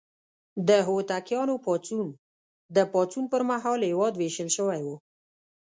د هوتکیانو پاڅون: د پاڅون پر مهال هېواد ویشل شوی و.